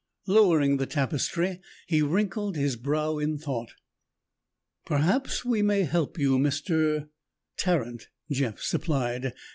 Lowering the tapestry, he wrinkled his brow in thought. "Perhaps we may help you, Mr. " "Tarrant," Jeff supplied.